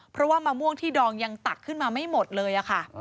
เพราะว่ามะม่วงที่ดองยังตักขึ้นมาไม่หมดเลยค่ะ